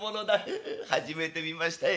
初めて見ましたよ。